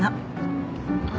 あ。